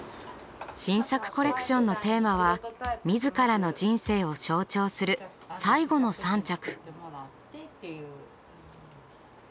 新作コレクションのテーマはみずからの人生を象徴する「最後の３着」。